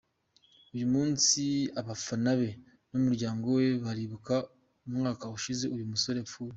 Uyu munsi abafana be numuryango we baribuka umwaka ushize uyu musore apfuye.